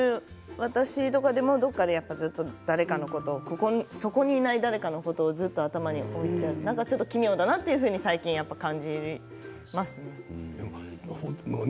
私とかでもどこかで誰かのことをそこにいない誰かのことをずっと頭に置いている奇妙だなというのは最近ちょっと感じますね。